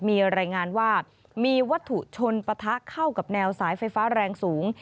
มีรายงานว่ามีวัตถุชนปะทะเข้ากับแนวสายไฟฟ้าแรงสูง